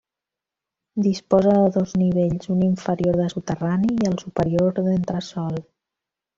Disposa de dos nivells, un inferior de soterrani i el superior, d'entresòl.